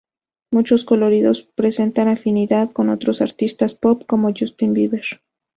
Muchos coloridos presentan afinidad con otros artistas pop como Justin Bieber.